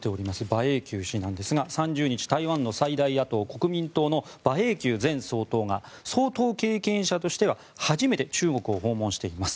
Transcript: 馬英九氏なんですが、３０日最大野党・国民党の馬英九前総統が総統経験者としては初めて中国を訪問しています。